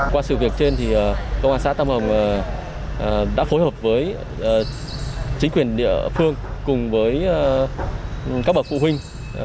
qua sự việc trên thì công an xã tâm hồng đã phối hợp với chính quyền địa phương cùng với các bậc phụ huynh